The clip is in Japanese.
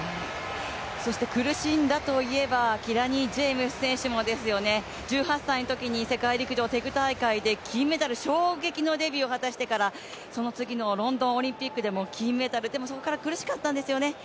そして苦しんだといえば、キラニ・ジェームス選手もですよね、１８歳のときに世界陸上テグ大会で金メダル、衝撃のデビューを果たしてからその次のロンドンオリンピックから金メダル、でもそこから苦しかったんですよね。